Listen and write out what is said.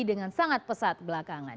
dan juga pesat belakangan